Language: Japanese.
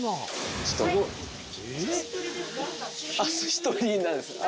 １人なんですけど。